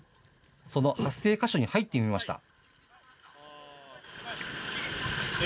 その発生箇所に入ってみました。